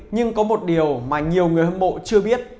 nhưng có một điều mà nhiều người hâm mộ chưa biết